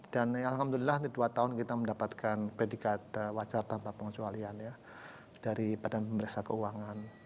dan alhamdulillah di dua tahun kita mendapatkan predikat wajar tanpa pengcualian dari badan pemerintah keuangan